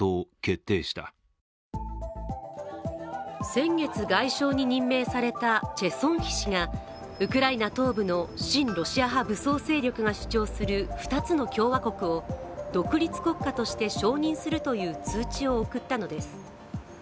先月、外相に任命されたチェ・ソンヒ氏がウクライナ東部の親ロシア派武装勢力が主張する２つの共和国を独立国家として承認するという通知を送ったのです。